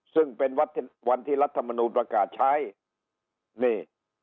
ซึ่งเป็นวันที่รัฐมนูลประกาศใช้นี่